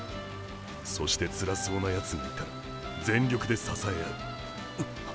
そしてつらそうなヤツがいたら全力で支え合う。